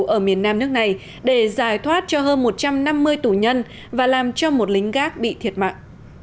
ở miền nam nước này để giải thoát cho hơn một trăm năm mươi tù nhân và làm cho một lính gác bị thiệt mạng